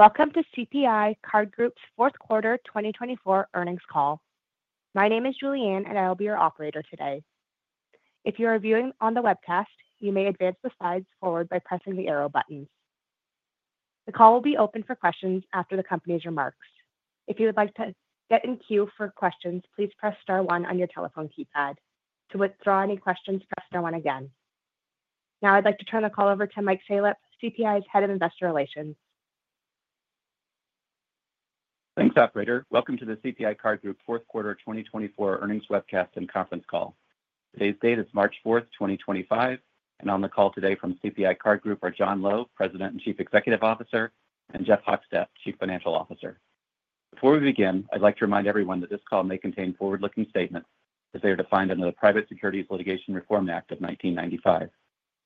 Welcome to CPI Card Group's fourth quarter 2024 earnings call. My name is Julianne, and I will be your operator today. If you are viewing on the webcast, you may advance the slides forward by pressing the arrow buttons. The call will be open for questions after the company's remarks. If you would like to get in queue for questions, please press star one on your telephone keypad. To withdraw any questions, press star one again. Now, I'd like to turn the call over to Mike Salop, CPI's Head of Investor Relations. Thanks, operator. Welcome to the CPI Card Group fourth quarter 2024 earnings webcast and conference call. Today's date is March 4, 2025, and on the call today from CPI Card Group are John Lowe, President and Chief Executive Officer, and Jeff Hochstadt, Chief Financial Officer. Before we begin, I'd like to remind everyone that this call may contain forward-looking statements as they are defined under the Private Securities Litigation Reform Act of 1995.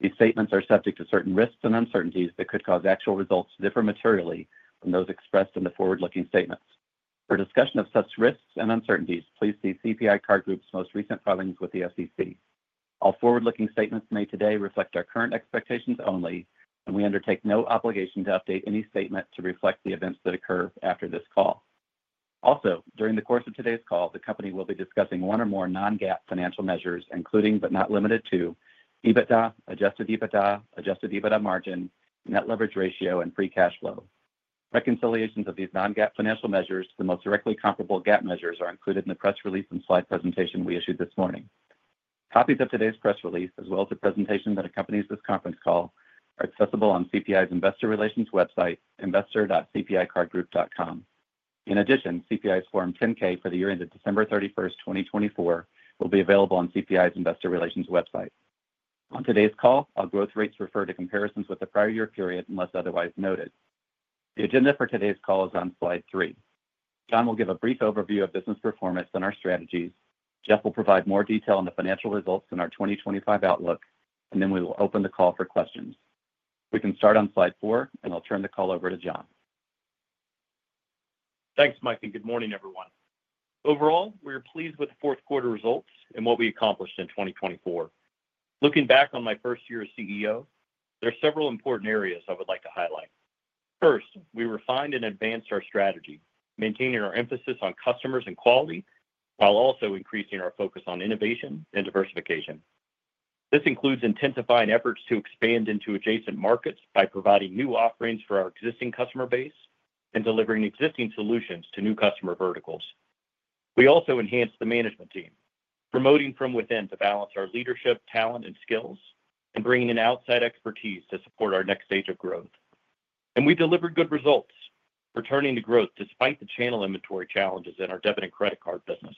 These statements are subject to certain risks and uncertainties that could cause actual results to differ materially from those expressed in the forward-looking statements. For discussion of such risks and uncertainties, please see CPI Card Group's most recent filings with the SEC. All forward-looking statements made today reflect our current expectations only, and we undertake no obligation to update any statement to reflect the events that occur after this call. Also, during the course of today's call, the company will be discussing one or more non-GAAP financial measures, including but not limited to EBITDA, Adjusted EBITDA, Adjusted EBITDA margin, net leverage ratio, and free cash flow. Reconciliations of these non-GAAP financial measures to the most directly comparable GAAP measures are included in the press release and slide presentation we issued this morning. Copies of today's press release, as well as the presentation that accompanies this conference call, are accessible on CPI's investor relations website, investor.cpicardgroup.com. In addition, CPI's Form 10-K for the year ended December 31st, 2024, will be available on CPI's Investor Relations website. On today's call, all growth rates refer to comparisons with the prior year period unless otherwise noted. The agenda for today's call is on slide three. John will give a brief overview of business performance and our strategies. Jeff will provide more detail on the financial results and our 2025 outlook, and then we will open the call for questions. We can start on slide four, and I'll turn the call over to John. Thanks, Mike, and good morning, everyone. Overall, we are pleased with the fourth quarter results and what we accomplished in 2024. Looking back on my first year as CEO, there are several important areas I would like to highlight. First, we refined and advanced our strategy, maintaining our emphasis on customers and quality while also increasing our focus on innovation and diversification. This includes intensifying efforts to expand into adjacent markets by providing new offerings for our existing customer base and delivering existing solutions to new customer verticals. We also enhanced the management team, promoting from within to balance our leadership, talent, and skills, and bringing in outside expertise to support our next stage of growth. We delivered good results, returning to growth despite the channel inventory challenges in our debit and credit card business.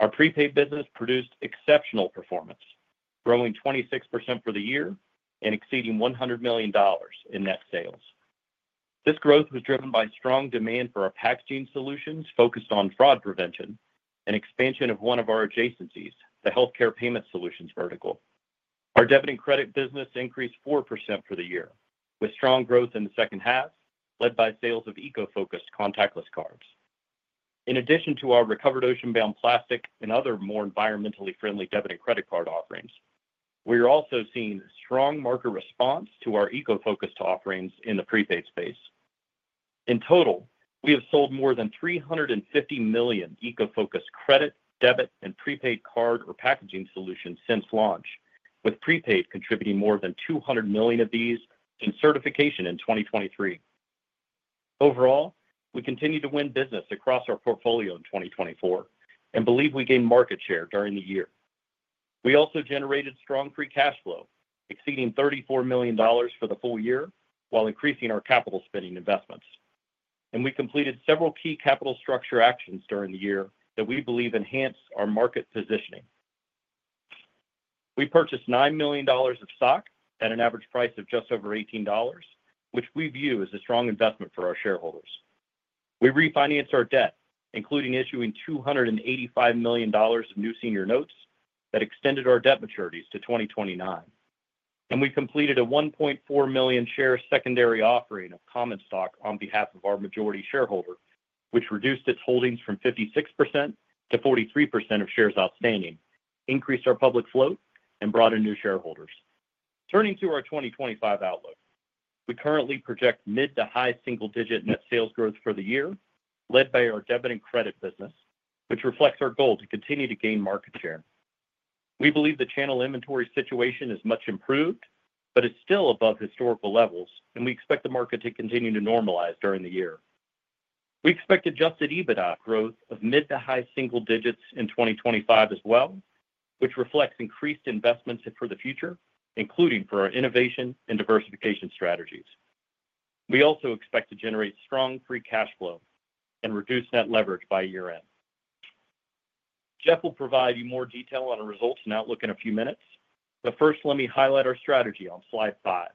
Our prepaid business produced exceptional performance, growing 26% for the year and exceeding $100 million in net sales. This growth was driven by strong demand for our packaging solutions focused on fraud prevention and expansion of one of our adjacencies, the healthcare payment solutions vertical. Our debit and credit business increased 4% for the year, with strong growth in the second half, led by sales of eco-focused contactless cards. In addition to our recovered ocean-bound plastic and other more environmentally friendly debit and credit card offerings, we are also seeing strong market response to our eco-focused offerings in the prepaid space. In total, we have sold more than 350 million eco-focused credit, debit, and prepaid card or packaging solutions since launch, with prepaid contributing more than 200 million of these in certification in 2023. Overall, we continue to win business across our portfolio in 2024 and believe we gained market share during the year. We also generated strong free cash flow, exceeding $34 million for the full-year while increasing our capital spending investments. We completed several key capital structure actions during the year that we believe enhanced our market positioning. We purchased $9 million of stock at an average price of just over $18, which we view as a strong investment for our shareholders. We refinanced our debt, including issuing $285 million of new senior notes that extended our debt maturities to 2029. We completed a 1.4 million share secondary offering of common stock on behalf of our majority shareholder, which reduced its holdings from 56% to 43% of shares outstanding, increased our public float, and brought in new shareholders. Turning to our 2025 outlook, we currently project mid to high single-digit net sales growth for the year, led by our debit and credit business, which reflects our goal to continue to gain market share. We believe the channel inventory situation is much improved, but is still above historical levels, and we expect the market to continue to normalize during the year. We expect Adjusted EBITDA growth of mid to high single digits in 2025 as well, which reflects increased investments for the future, including for our innovation and diversification strategies. We also expect to generate strong free cash flow and reduce net leverage by year-end. Jeff will provide you more detail on our results and outlook in a few minutes, but first, let me highlight our strategy on slide five.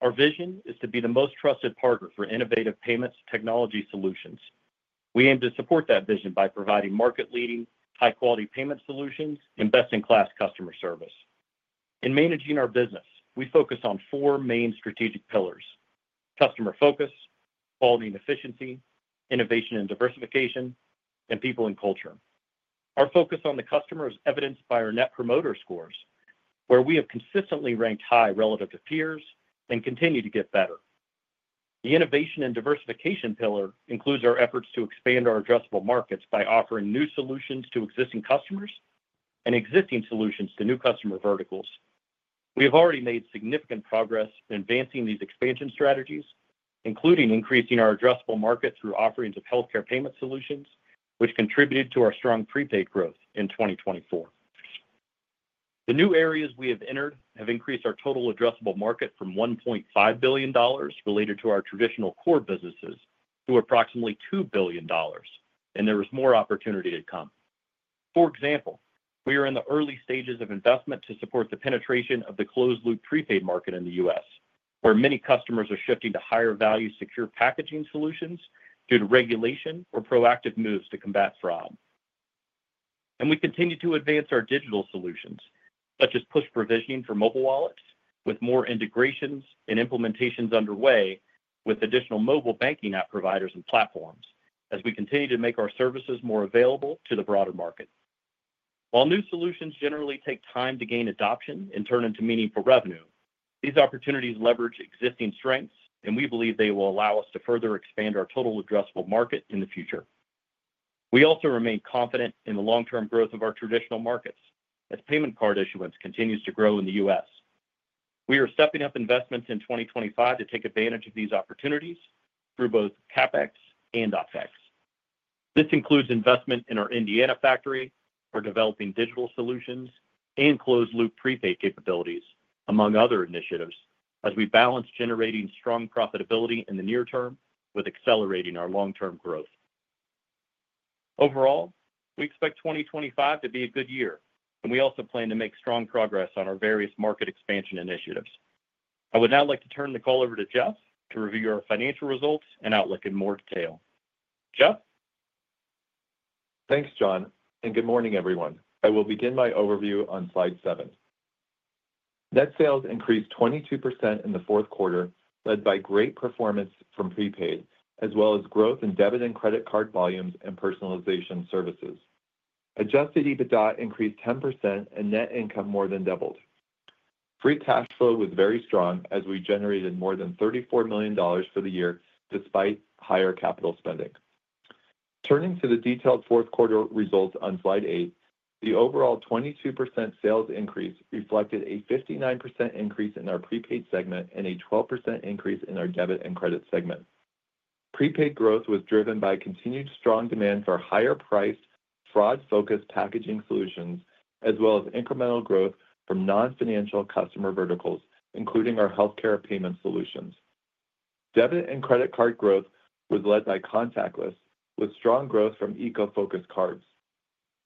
Our vision is to be the most trusted partner for innovative payments technology solutions. We aim to support that vision by providing market-leading, high-quality payment solutions and best-in-class customer service. In managing our business, we focus on four main strategic pillars: customer focus, quality and efficiency, innovation and diversification, and people and culture. Our focus on the customer is evidenced by our Net Promoter Scores, where we have consistently ranked high relative to peers and continue to get better. The innovation and diversification pillar includes our efforts to expand our addressable markets by offering new solutions to existing customers and existing solutions to new customer verticals. We have already made significant progress in advancing these expansion strategies, including increasing our addressable market through offerings of healthcare payment solutions, which contributed to our strong prepaid growth in 2024. The new areas we have entered have increased our total addressable market from $1.5 billion related to our traditional core businesses to approximately $2 billion, and there is more opportunity to come. For example, we are in the early stages of investment to support the penetration of the closed-loop prepaid market in the U.S., where many customers are shifting to higher-value secure packaging solutions due to regulation or proactive moves to combat fraud. We continue to advance our digital solutions, such as push provisioning for mobile wallets, with more integrations and implementations underway with additional mobile banking app providers and platforms, as we continue to make our services more available to the broader market. While new solutions generally take time to gain adoption and turn into meaningful revenue, these opportunities leverage existing strengths, and we believe they will allow us to further expand our total addressable market in the future. We also remain confident in the long-term growth of our traditional markets, as payment card issuance continues to grow in the U.S. We are stepping up investments in 2025 to take advantage of these opportunities through both CapEx and OpEx. This includes investment in our Indiana factory for developing digital solutions and closed-loop prepaid capabilities, among other initiatives, as we balance generating strong profitability in the near term with accelerating our long-term growth. Overall, we expect 2025 to be a good year, and we also plan to make strong progress on our various market expansion initiatives. I would now like to turn the call over to Jeff to review our financial results and outlook in more detail. Jeff? Thanks, John, and good morning, everyone. I will begin my overview on slide seven. Net sales increased 22% in the fourth quarter, led by great performance from prepaid, as well as growth in debit and credit card volumes and personalization services. Adjusted EBITDA increased 10%, and net income more than doubled. Free cash flow was very strong as we generated more than $34 million for the year despite higher capital spending. Turning to the detailed fourth quarter results on slide eight, the overall 22% sales increase reflected a 59% increase in our prepaid segment and a 12% increase in our debit and credit segment. Prepaid growth was driven by continued strong demand for higher-priced, fraud-focused packaging solutions, as well as incremental growth from non-financial customer verticals, including our healthcare payment solutions. Debit and credit card growth was led by contactless, with strong growth from eco-focused cards.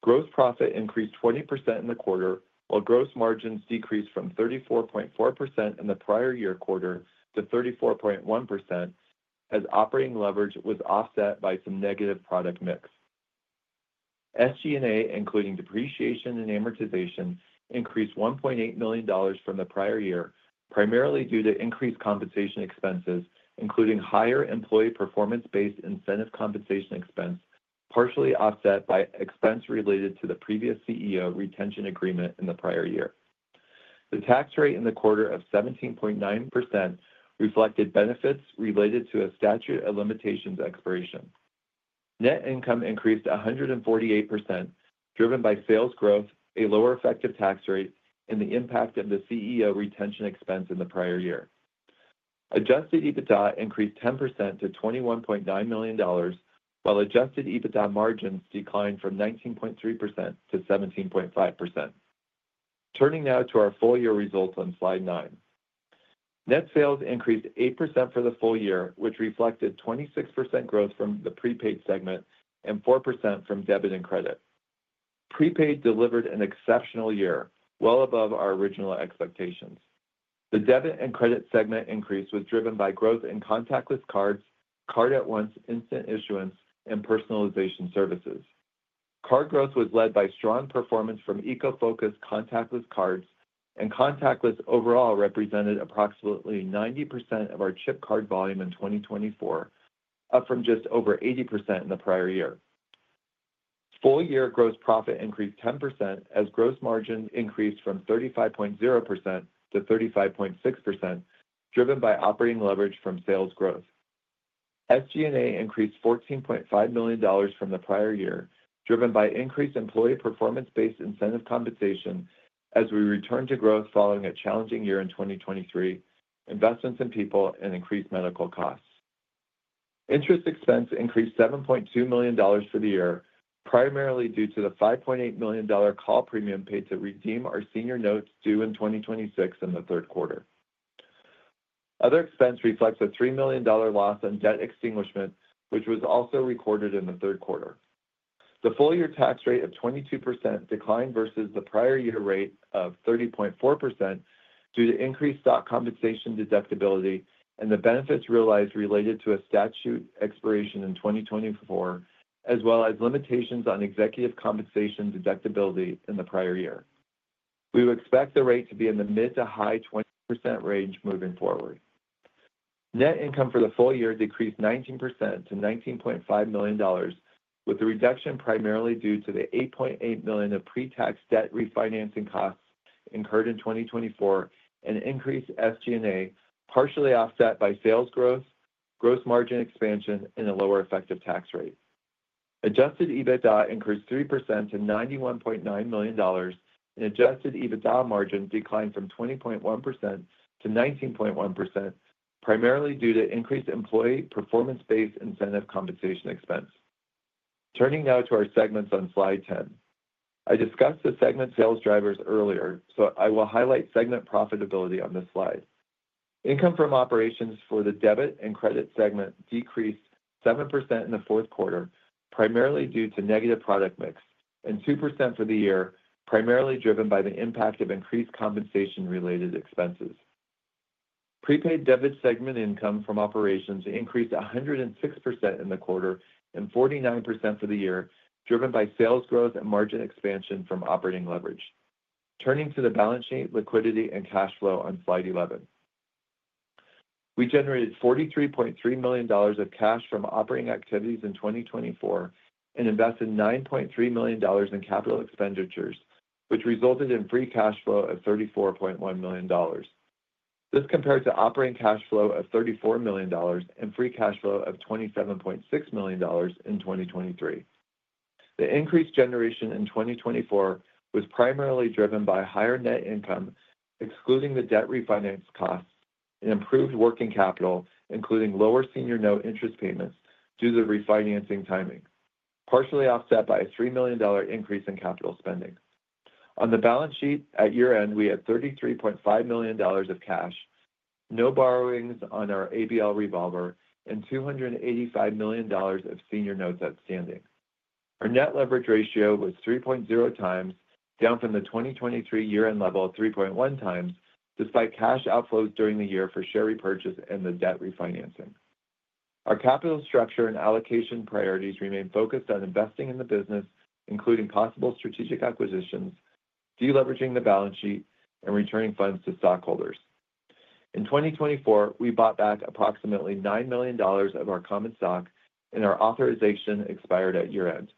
Gross profit increased 20% in the quarter, while gross margins decreased from 34.4% in the prior year quarter to 34.1%, as operating leverage was offset by some negative product mix. SG&A, including depreciation and amortization, increased $1.8 million from the prior year, primarily due to increased compensation expenses, including higher employee performance-based incentive compensation expense, partially offset by expense related to the previous CEO retention agreement in the prior year. The tax rate in the quarter of 17.9% reflected benefits related to a statute of limitations expiration. Net income increased 148%, driven by sales growth, a lower effective tax rate, and the impact of the CEO retention expense in the prior year. Adjusted EBITDA increased 10% to $21.9 million, while Adjusted EBITDA margins declined from 19.3% to 17.5%. Turning now to our full-year results on slide nine. Net sales increased 8% for the full-year, which reflected 26% growth from the prepaid segment and 4% from debit and credit. Prepaid delivered an exceptional year, well above our original expectations. The debit and credit segment increase was driven by growth in contactless cards, Card@Once, instant issuance, and personalization services. Card growth was led by strong performance from eco-focused contactless cards, and contactless overall represented approximately 90% of our chip card volume in 2024, up from just over 80% in the prior year. Full-year gross profit increased 10% as gross margins increased from 35.0% to 35.6%, driven by operating leverage from sales growth. SG&A increased $14.5 million from the prior year, driven by increased employee performance-based incentive compensation, as we returned to growth following a challenging year in 2023, investments in people, and increased medical costs. Interest expense increased $7.2 million for the year, primarily due to the $5.8 million call premium paid to redeem our senior notes due in 2026 in the third quarter. Other expense reflects a $3 million loss on debt extinguishment, which was also recorded in the third quarter. The full-year tax rate of 22% declined versus the prior year rate of 30.4% due to increased stock compensation deductibility and the benefits realized related to a statute expiration in 2024, as well as limitations on executive compensation deductibility in the prior year. We would expect the rate to be in the mid to high 20% range moving forward. Net income for the full-year decreased 19% to $19.5 million, with the reduction primarily due to the $8.8 million of pre-tax debt refinancing costs incurred in 2024 and increased SG&A, partially offset by sales growth, gross margin expansion, and a lower effective tax rate. Adjusted EBITDA increased 3% to $91.9 million, and Adjusted EBITDA margin declined from 20.1% to 19.1%, primarily due to increased employee performance-based incentive compensation expense. Turning now to our segments on slide 10. I discussed the segment sales drivers earlier, so I will highlight segment profitability on this slide. Income from operations for the debit and credit segment decreased 7% in the fourth quarter, primarily due to negative product mix, and 2% for the year, primarily driven by the impact of increased compensation-related expenses. Prepaid debit segment income from operations increased 106% in the quarter and 49% for the year, driven by sales growth and margin expansion from operating leverage. Turning to the balance sheet, liquidity, and cash flow on slide 11. We generated $43.3 million of cash from operating activities in 2024 and invested $9.3 million in capital expenditures, which resulted in free cash flow of $34.1 million. This compared to operating cash flow of $34 million and free cash flow of $27.6 million in 2023. The increased generation in 2024 was primarily driven by higher net income, excluding the debt refinance costs, and improved working capital, including lower senior note interest payments due to refinancing timing, partially offset by a $3 million increase in capital spending. On the balance sheet, at year-end, we had $33.5 million of cash, no borrowings on our ABL revolver, and $285 million of senior notes outstanding. Our net leverage ratio was 3.0 times, down from the 2023 year-end level of 3.1 times, despite cash outflows during the year for share repurchase and the debt refinancing. Our capital structure and allocation priorities remain focused on investing in the business, including possible strategic acquisitions, deleveraging the balance sheet, and returning funds to stockholders. In 2024, we bought back approximately $9 million of our common stock, and our authorization expired at year-end.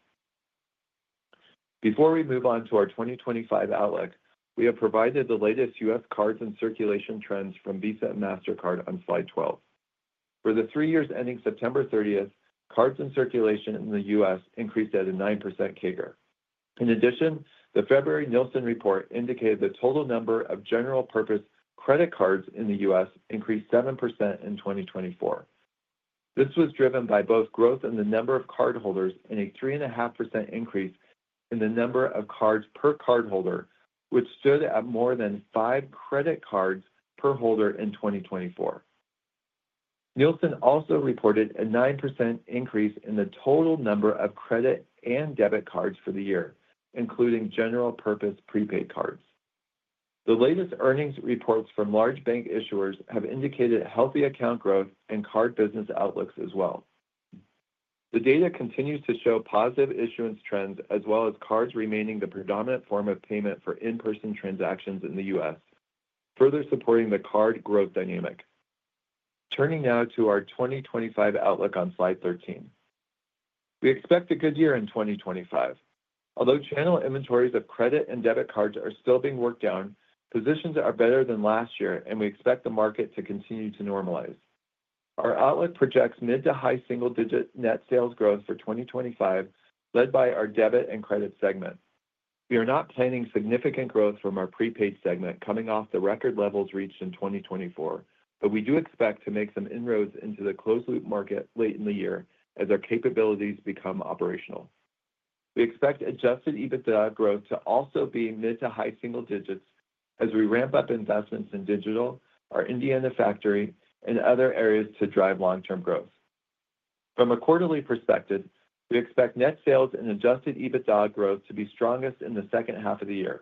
Before we move on to our 2025 outlook, we have provided the latest U.S. cards and circulation trends from Visa and Mastercard on slide 12. For the three years ending September 30th, cards in circulation in the U.S. increased at a 9% CAGR. In addition, the February Nilson Report indicated the total number of general-purpose credit cards in the U.S. increased 7% in 2024. This was driven by both growth in the number of cardholders and a 3.5% increase in the number of cards per cardholder, which stood at more than five credit cards per holder in 2024. Nilson also reported a 9% increase in the total number of credit and debit cards for the year, including general-purpose prepaid cards. The latest earnings reports from large bank issuers have indicated healthy account growth and card business outlooks as well. The data continues to show positive issuance trends, as well as cards remaining the predominant form of payment for in-person transactions in the U.S., further supporting the card growth dynamic. Turning now to our 2025 outlook on slide 13. We expect a good year in 2025. Although channel inventories of credit and debit cards are still being worked down, positions are better than last year, and we expect the market to continue to normalize. Our outlook projects mid to high single-digit net sales growth for 2025, led by our debit and credit segment. We are not planning significant growth from our prepaid segment coming off the record levels reached in 2024, but we do expect to make some inroads into the closed-loop market late in the year as our capabilities become operational. We expect Adjusted EBITDA growth to also be mid to high single digits as we ramp up investments in digital, our Indiana factory, and other areas to drive long-term growth. From a quarterly perspective, we expect net sales and Adjusted EBITDA growth to be strongest in the second half of the year.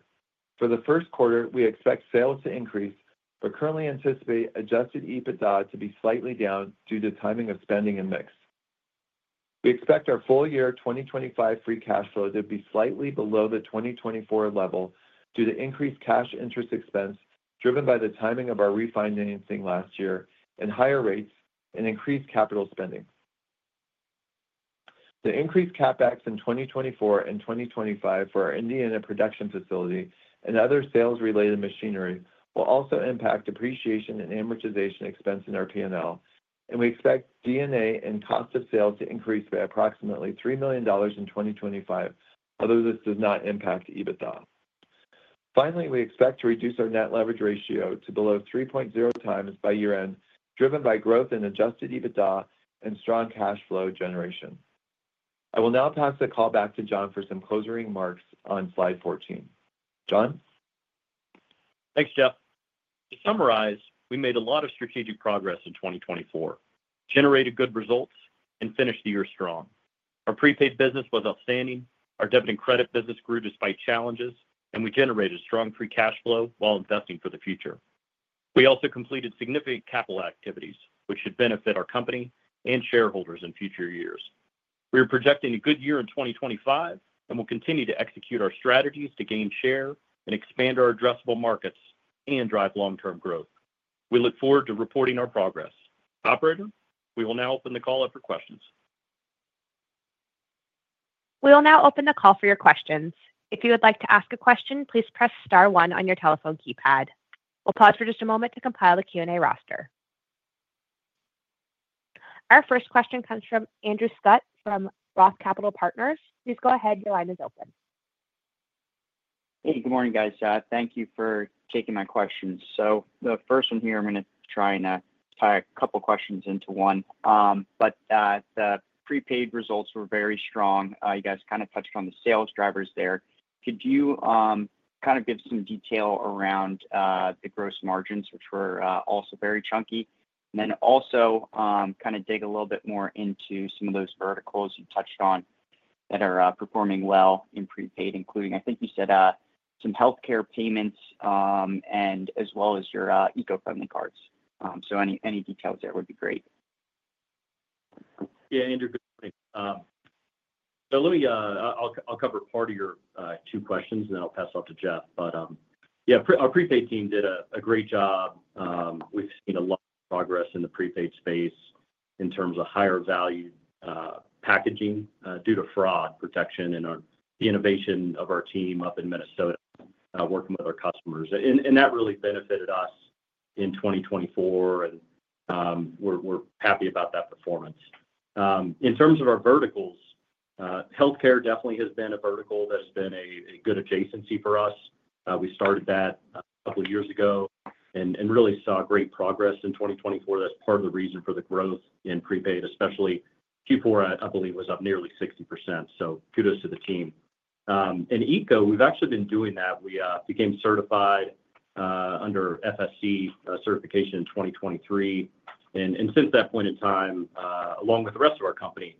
For the first quarter, we expect sales to increase, but currently anticipate Adjusted EBITDA to be slightly down due to timing of spending and mix. We expect our full-year 2025 free cash flow to be slightly below the 2024 level due to increased cash interest expense driven by the timing of our refinancing last year and higher rates and increased capital spending. The increased CapEx in 2024 and 2025 for our Indiana production facility and other sales-related machinery will also impact depreciation and amortization expense in our P&L, and we expect D&A and cost of sales to increase by approximately $3 million in 2025, although this does not impact EBITDA. Finally, we expect to reduce our net leverage ratio to below 3.0 times by year-end, driven by growth in Adjusted EBITDA and strong cash flow generation. I will now pass the call back to John for some closing remarks on slide 14. John? Thanks, Jeff. To summarize, we made a lot of strategic progress in 2024, generated good results, and finished the year strong. Our prepaid business was outstanding, our debit and credit business grew despite challenges, and we generated strong free cash flow while investing for the future. We also completed significant capital activities, which should benefit our company and shareholders in future years. We are projecting a good year in 2025 and will continue to execute our strategies to gain share and expand our addressable markets and drive long-term growth. We look forward to reporting our progress. Operator, we will now open the call up for questions. We will now open the call for your questions. If you would like to ask a question, please press star one on your telephone keypad. We'll pause for just a moment to compile the Q&A roster. Our first question comes from Andrew Scott from Roth Capital Partners. Please go ahead. Your line is open. Hey, good morning, guys. Thank you for taking my questions. The first one here, I'm going to try and tie a couple of questions into one. The prepaid results were very strong. You guys kind of touched on the sales drivers there. Could you kind of give some detail around the gross margins, which were also very chunky, and then also kind of dig a little bit more into some of those verticals you touched on that are performing well in prepaid, including, I think you said, some healthcare payments as well as your eco-friendly cards? Any details there would be great. Yeah, Andrew, good morning. I'll cover part of your two questions, and then I'll pass it off to Jeff. Yeah, our prepaid team did a great job. We've seen a lot of progress in the prepaid space in terms of higher-value packaging due to fraud protection and the innovation of our team up in Minnesota working with our customers. That really benefited us in 2024, and we're happy about that performance. In terms of our verticals, healthcare definitely has been a vertical that has been a good adjacency for us. We started that a couple of years ago and really saw great progress in 2024. That's part of the reason for the growth in prepaid, especially Q4, I believe, was up nearly 60%. Kudos to the team. Eco, we've actually been doing that. We became certified under FSC certification in 2023. Since that point in time, along with the rest of our company,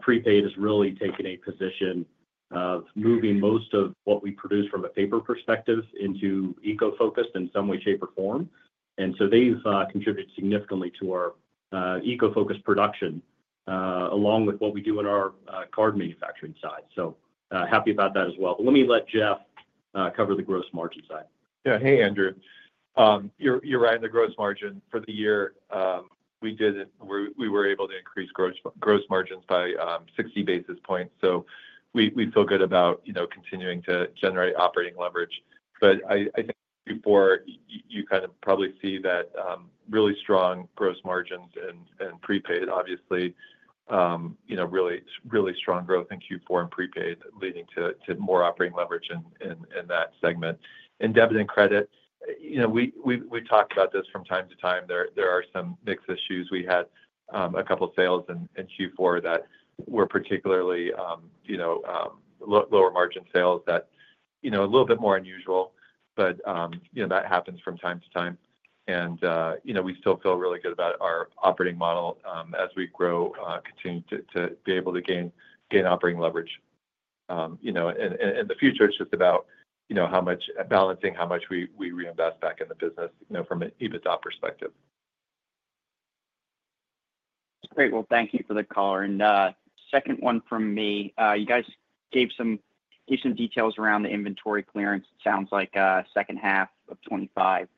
prepaid has really taken a position of moving most of what we produce from a paper perspective into eco-focused in some way, shape, or form. They have contributed significantly to our eco-focused production along with what we do on our card manufacturing side. Happy about that as well. Let me let Jeff cover the gross margin side. Yeah. Hey, Andrew. You're right. The gross margin for the year, we were able to increase gross margins by 60 basis points. We feel good about continuing to generate operating leverage. I think Q4, you kind of probably see that really strong gross margins and prepaid, obviously, really strong growth in Q4 and prepaid leading to more operating leverage in that segment. Debit and credit, we've talked about this from time to time. There are some mixed issues. We had a couple of sales in Q4 that were particularly lower margin sales that are a little bit more unusual, but that happens from time to time. We still feel really good about our operating model as we grow, continue to be able to gain operating leverage. In the future, it's just about how much balancing, how much we reinvest back in the business from an EBITDA perspective. Great. Thank you for the color. Second one from me, you guys gave some details around the inventory clearance. It sounds like second half of 2025,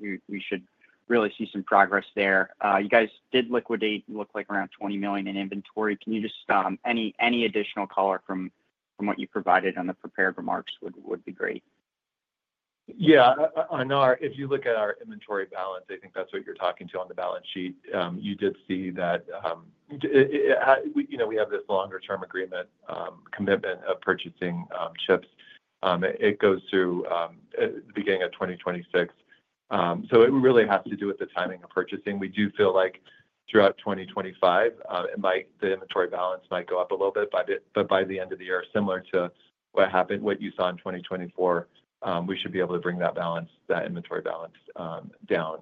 we should really see some progress there. You guys did liquidate, it looked like, around $20 million in inventory. Can you just add any additional color from what you provided on the prepared remarks would be great? Yeah. On our—if you look at our inventory balance, I think that's what you're talking to on the balance sheet. You did see that we have this longer-term agreement commitment of purchasing chips. It goes through the beginning of 2026. It really has to do with the timing of purchasing. We do feel like throughout 2025, the inventory balance might go up a little bit, but by the end of the year, similar to what happened, what you saw in 2024, we should be able to bring that inventory balance down.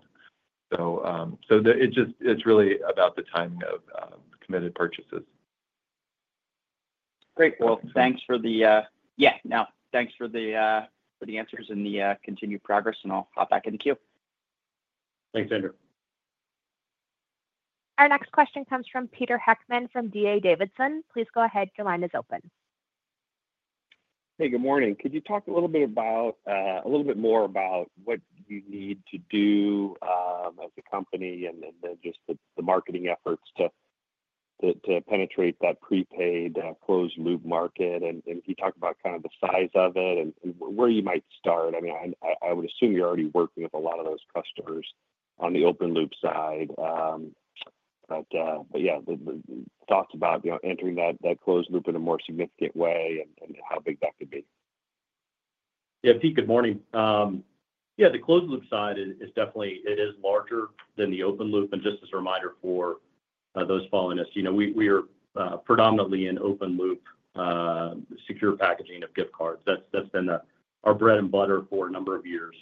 It is really about the timing of committed purchases. Great. Thanks for the—yeah. Thanks for the answers and the continued progress, and I'll hop back into queue. Thanks, Andrew. Our next question comes from Peter Heckmann from D.A. Davidson. Please go ahead. Your line is open. Hey, good morning. Could you talk a little bit more about what you need to do as a company and then just the marketing efforts to penetrate that prepaid closed-loop market? You talked about kind of the size of it and where you might start. I mean, I would assume you're already working with a lot of those customers on the open-loop side. Yeah, thoughts about entering that closed loop in a more significant way and how big that could be? Yeah. Pete, good morning. Yeah, the closed-loop side is definitely larger than the open-loop. And just as a reminder for those following us, we are predominantly in open-loop secure packaging of gift cards. That's been our bread-and-butter for a number of years.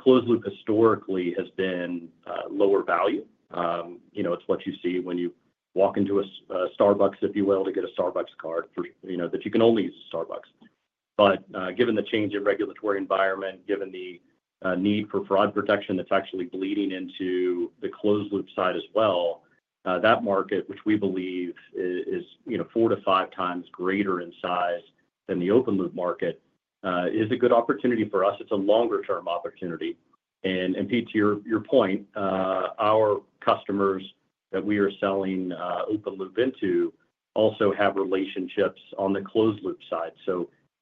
Closed-loop historically has been lower value. It's what you see when you walk into a Starbucks, if you will, to get a Starbucks card that you can only use at Starbucks. Given the change in regulatory environment, given the need for fraud protection that's actually bleeding into the closed-loop side as well, that market, which we believe is four to five times greater in size than the open-loop market, is a good opportunity for us. It's a longer-term opportunity. Pete, to your point, our customers that we are selling open-loop into also have relationships on the closed-loop side.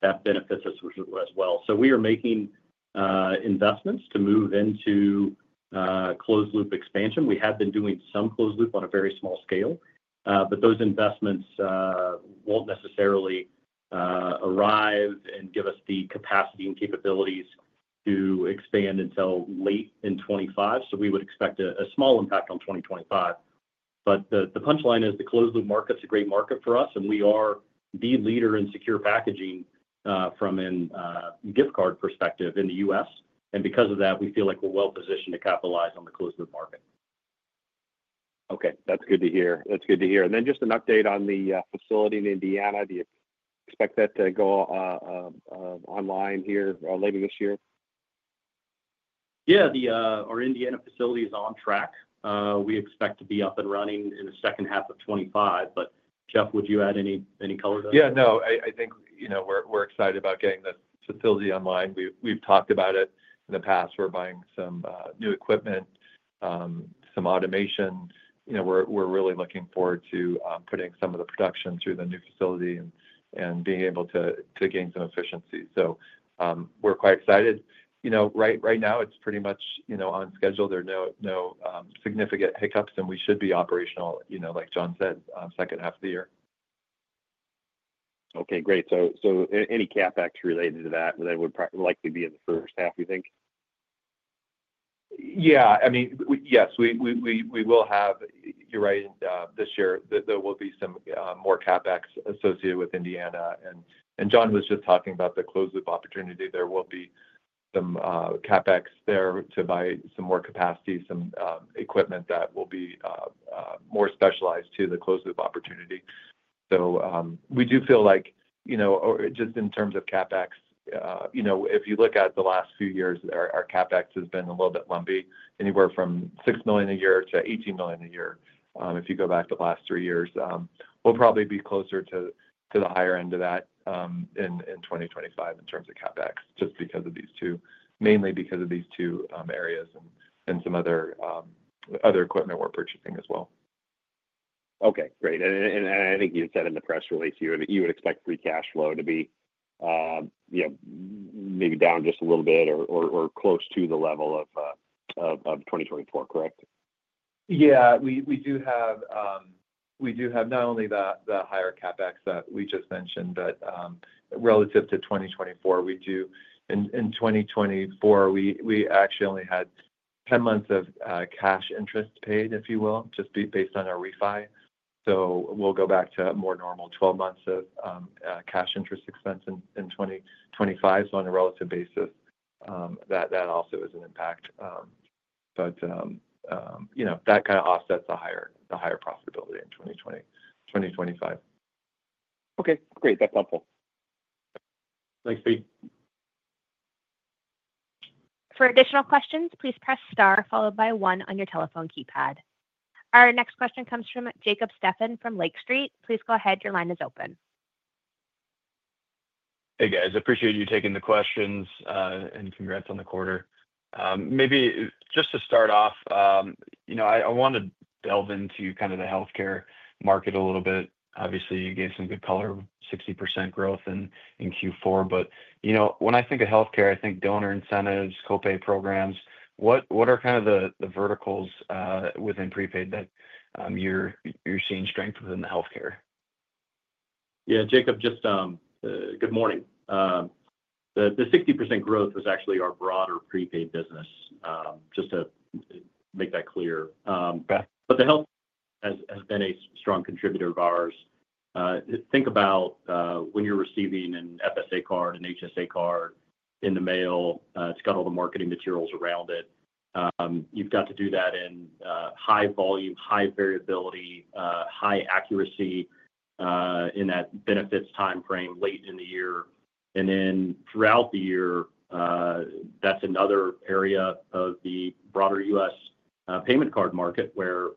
That benefits us as well. We are making investments to move into closed-loop expansion. We have been doing some closed-loop on a very small scale, but those investments will not necessarily arrive and give us the capacity and capabilities to expand until late in 2025. We would expect a small impact on 2025. The punchline is the closed-loop market is a great market for us, and we are the leader in secure packaging from a gift card perspective in the U.S. Because of that, we feel like we are well-positioned to capitalize on the closed-loop market. Okay. That's good to hear. That's good to hear. Just an update on the facility in Indiana. Do you expect that to go online here later this year? Yeah. Our Indiana facility is on track. We expect to be up and running in the second half of 2025. Jeff, would you add any color to that? Yeah. No, I think we're excited about getting this facility online. We've talked about it in the past. We're buying some new equipment, some automation. We're really looking forward to putting some of the production through the new facility and being able to gain some efficiency. We're quite excited. Right now, it's pretty much on schedule. There are no significant hiccups, and we should be operational, like John said, second half of the year. Okay. Great. Any CapEx related to that would likely be in the first half, you think? Yeah. I mean, yes, we will have—you are right—this year, there will be some more CapEx associated with Indiana. John was just talking about the closed-loop opportunity. There will be some CapEx there to buy some more capacity, some equipment that will be more specialized to the closed-loop opportunity. We do feel like just in terms of CapEx, if you look at the last few years, our CapEx has been a little bit lumpy, anywhere from $6 million a year to $18 million a year if you go back the last three years. We will probably be closer to the higher end of that in 2025 in terms of CapEx, just because of these two, mainly because of these two areas and some other equipment we are purchasing as well. Okay. Great. I think you said in the press release you would expect free cash flow to be maybe down just a little bit or close to the level of 2024, correct? Yeah. We do have not only the higher CapEx that we just mentioned, but relative to 2024, we do—in 2024, we actually only had 10 months of cash interest paid, if you will, just based on our refi. We will go back to more normal 12 months of cash interest expense in 2025. On a relative basis, that also is an impact. That kind of offsets the higher profitability in 2025. Okay. Great. That's helpful. Thanks, Pete. For additional questions, please press star followed by one on your telephone keypad. Our next question comes from Jacob Stephan from Lake Street. Please go ahead. Your line is open. Hey, guys. Appreciate you taking the questions and congrats on the quarter. Maybe just to start off, I want to delve into kind of the healthcare market a little bit. Obviously, you gave some good color, 60% growth in Q4. When I think of healthcare, I think donor incentives, copay programs. What are kind of the verticals within prepaid that you're seeing strength within the healthcare? Yeah. Jacob, just good morning. The 60% growth was actually our broader prepaid business, just to make that clear. The healthcare has been a strong contributor of ours. Think about when you're receiving an FSA card, an HSA card in the mail, it's got all the marketing materials around it. You have to do that in high volume, high variability, high accuracy in that benefits timeframe late in the year. Throughout the year, that's another area of the broader U.S. payment card market where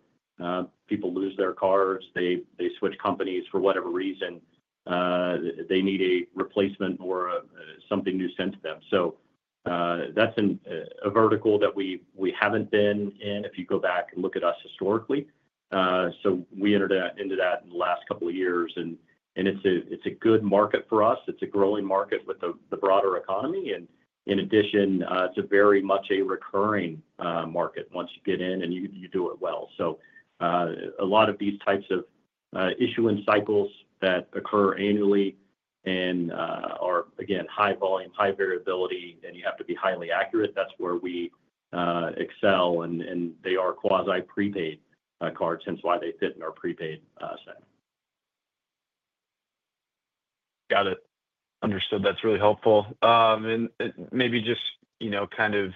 people lose their cards. They switch companies for whatever reason. They need a replacement or something new sent to them. That is a vertical that we have not been in if you go back and look at us historically. We entered into that in the last couple of years. It is a good market for us. It's a growing market with the broader economy. In addition, it's very much a recurring market once you get in and you do it well. A lot of these types of issuance cycles that occur annually and are, again, high volume, high variability, and you have to be highly accurate, that's where we excel. They are quasi-prepaid cards, hence why they fit in our prepaid set. Got it. Understood. That's really helpful. Maybe just kind of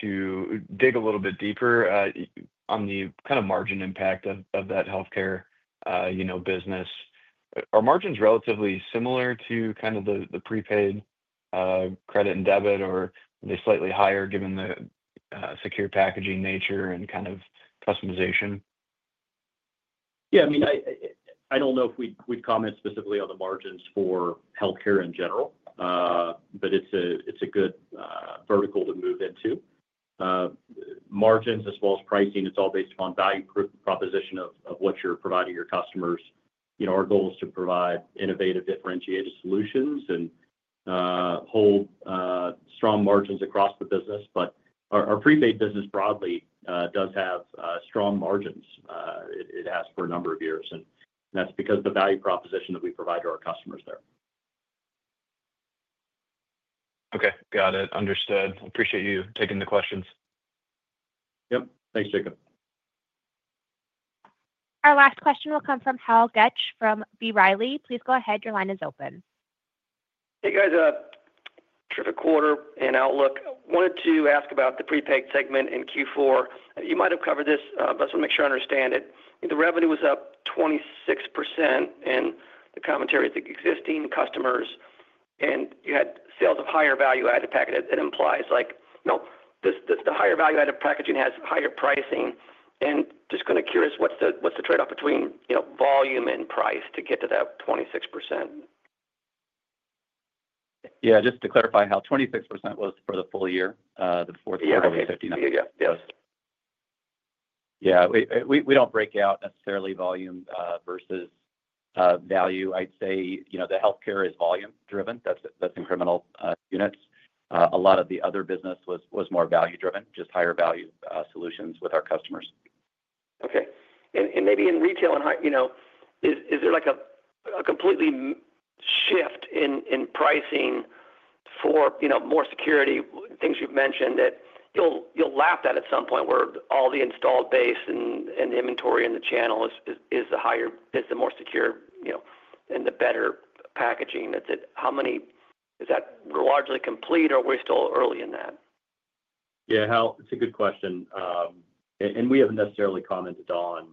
to dig a little bit deeper on the kind of margin impact of that healthcare business, are margins relatively similar to kind of the prepaid credit and debit, or are they slightly higher given the secure packaging nature and kind of customization? Yeah. I mean, I do not know if we would comment specifically on the margins for healthcare in general, but it is a good vertical to move into. Margins as well as pricing, it is all based upon value proposition of what you are providing your customers. Our goal is to provide innovative, differentiated solutions and hold strong margins across the business. Our prepaid business broadly does have strong margins. It has for a number of years. That is because of the value proposition that we provide to our customers there. Okay. Got it. Understood. Appreciate you taking the questions. Yep. Thanks, Jacob. Our last question will come from Hal Goetsch from B. Riley. Please go ahead. Your line is open. Hey, guys. Trip to quarter and outlook. I wanted to ask about the prepaid segment in Q4. You might have covered this, but I just want to make sure I understand it. The revenue was up 26% in the commentary to existing customers. You had sales of higher value-added packaging. It implies like, no, the higher value-added packaging has higher pricing. Just kind of curious, what's the trade-off between volume and price to get to that 26%? Yeah. Just to clarify how 26% was for the full-year, the fourth quarter was 59%. Yeah. Yeah. We do not break out necessarily volume versus value. I would say the healthcare is volume-driven. That is incremental units. A lot of the other business was more value-driven, just higher value solutions with our customers. Okay. Maybe in retail and high, is there a complete shift in pricing for more security, things you've mentioned that you'll laugh at at some point where all the installed base and inventory in the channel is the more secure and the better packaging? Is that largely complete, or are we still early in that? Yeah. Hal, it's a good question. We haven't necessarily commented on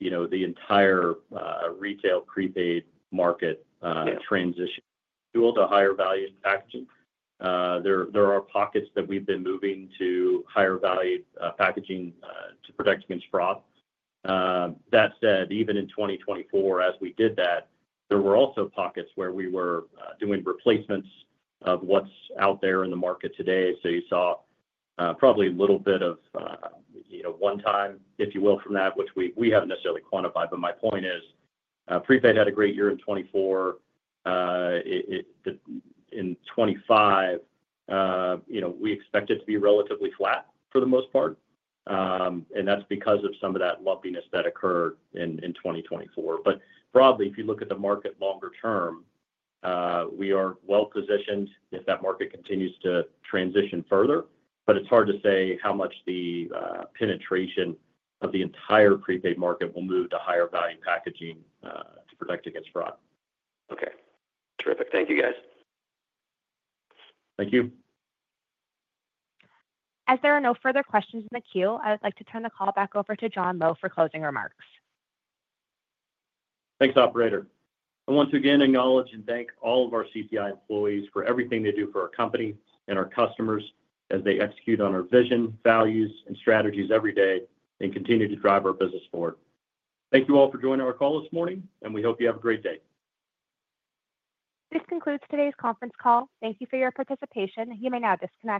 the entire retail prepaid market transition to a higher value packaging. There are pockets that we've been moving to higher value packaging to protect against fraud. That said, even in 2024, as we did that, there were also pockets where we were doing replacements of what's out there in the market today. You saw probably a little bit of one-time, if you will, from that, which we haven't necessarily quantified. My point is prepaid had a great year in 2024. In 2025, we expect it to be relatively flat for the most part. That is because of some of that lumpiness that occurred in 2024. Broadly, if you look at the market longer term, we are well-positioned if that market continues to transition further. It is hard to say how much the penetration of the entire prepaid market will move to higher value packaging to protect against fraud. Okay. Terrific. Thank you, guys. Thank you. As there are no further questions in the queue, I would like to turn the call back over to John Lowe for closing remarks. Thanks, operator. I want to again acknowledge and thank all of our CPI employees for everything they do for our company and our customers as they execute on our vision, values, and strategies every day and continue to drive our business forward. Thank you all for joining our call this morning, and we hope you have a great day. This concludes today's conference call. Thank you for your participation. You may now disconnect.